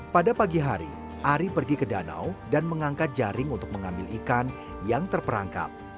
pada pagi hari ari pergi ke danau dan mengangkat jaring untuk mengambil ikan yang terperangkap